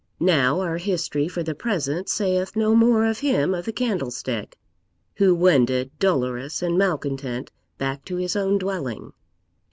Now our history for the present saith no more of him of the Candlestick, who wended dolorous and malcontent back to his own dwelling.